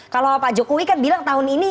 kalau pak jokowi kan bilang tahun ini